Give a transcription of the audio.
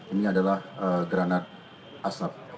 ini adalah granat asap